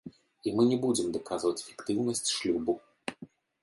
І мы не будзем даказваць фіктыўнасць шлюбу.